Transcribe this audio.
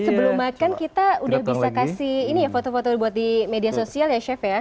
sebelum makan kita udah bisa kasih ini ya foto foto buat di media sosial ya chef ya